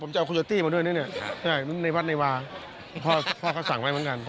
ผมจะเอาโคโยตี้มาด้วยนะเนี่ยในวัดในวาพ่อพ่อก็สั่งไว้เหมือนกัน